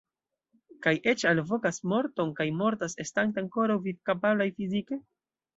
Kaj eĉ alvokas morton kaj mortas, estante ankoraŭ vivkapablaj fizike?